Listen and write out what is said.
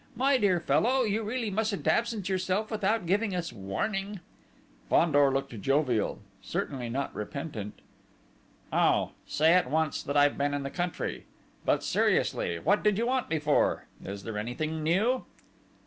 My dear fellow, you really mustn't absent yourself without giving us warning." Fandor looked jovial: certainly not repentant. "Oh, say at once that I've been in the country!... But seriously, what did you want me for? Is there anything new?..."